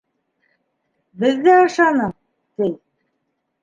— Беҙҙә ашаның, ти.